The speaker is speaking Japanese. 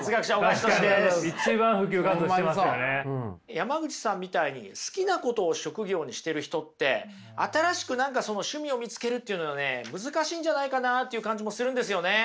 山口さんみたいに好きなことを職業にしてる人って新しく何かその趣味を見つけるっていうのね難しいんじゃないかなっていう感じもするんですよね。